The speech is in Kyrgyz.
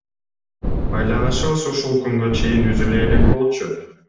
Байланышыбыз ушул күнгө чейин үзүлө элек болчу.